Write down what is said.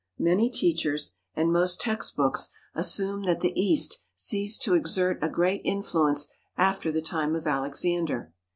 Many teachers and most text books assume that the East ceased to exert a great influence after the time of Alexander.